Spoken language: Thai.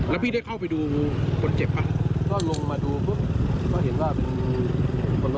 แล้วพี่ได้เข้าไปดูคนเจ็บป่ะก็ลงมาดูพึ่งก็เห็นว่าอืม